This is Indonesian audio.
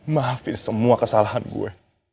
maafin semua kesalahan gue